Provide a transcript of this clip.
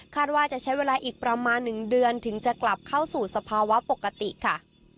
ว่าจะใช้เวลาอีกประมาณ๑เดือนถึงจะกลับเข้าสู่สภาวะปกติค่ะ